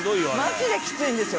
「マジできついんですよ」